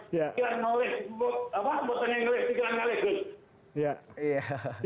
pikiran nengelih pikiran nengelih gus